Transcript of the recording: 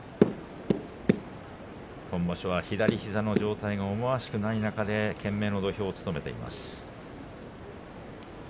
今場所は左膝の状態が思わしくない中で懸命の土俵を務めています。